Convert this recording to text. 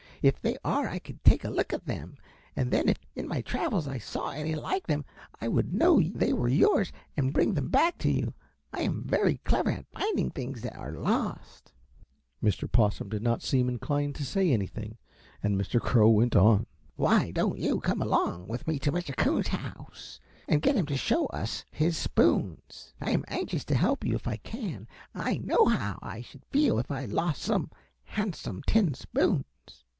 If they are I could take a look at them, and then if in my travels I saw any like them I would know they were yours and bring them back to you. I am very clever at finding things that are lost." Mr. Possum did not seem inclined to say anything, and Mr. Crow went on: "Why don't you come along with me to Mr. Coon's house and get him to show us his spoons. I am anxious to help you if I can. I know how I should feel if I lost some handsome tin spoons."